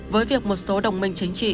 với việc một số đồng minh chính trị